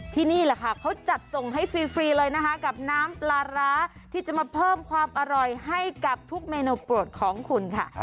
นี่แหละค่ะเขาจัดส่งให้ฟรีเลยนะคะกับน้ำปลาร้าที่จะมาเพิ่มความอร่อยให้กับทุกเมนูโปรดของคุณค่ะ